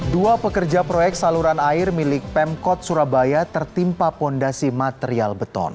dua pekerja proyek saluran air milik pemkot surabaya tertimpa fondasi material beton